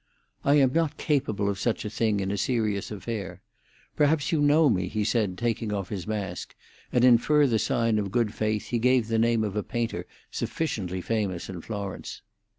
"I am not capable of such a thing in a serious affair. Perhaps you know me?" he said, taking off his mask, and in further sign of good faith he gave the name of a painter sufficiently famous in Florence.